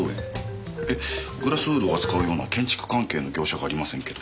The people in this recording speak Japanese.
えっグラスウールを扱うような建築関係の業者がありませんけど。